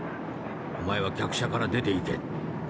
お前は客車から出ていけ』。